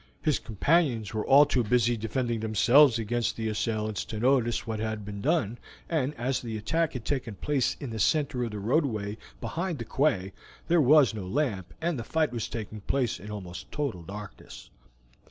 His companions were all too busy defending themselves against their assailants to notice what had been done, and as the attack had taken place in the center of the roadway behind the quay, there was no lamp, and the fight was taking place in almost total darkness.